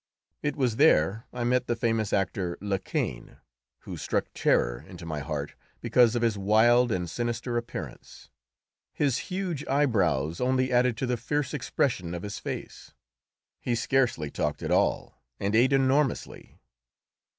It was there I met the famous actor Lekain, who struck terror into my heart because of his wild and sinister appearance; his huge eyebrows only added to the fierce expression of his face. He scarcely talked at all, and ate enormously.